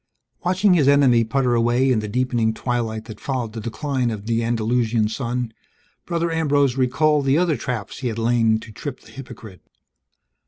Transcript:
Watching his enemy putter away in the deepening twilight that followed the decline of the Andalusian sun, Brother Ambrose recalled the other traps he had lain to trip the hypocrite.